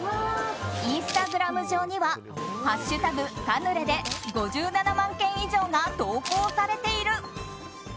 インスタグラム上には「＃カヌレ」で５７万件以上が投稿されている。